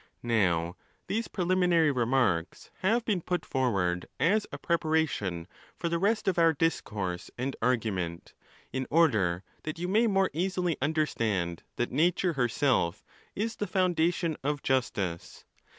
Now, these preliminary remarks have been put forward as a preparation for the rest of our discourse and argument, in order that you may more easily understand that nature her self is the foundation of justice.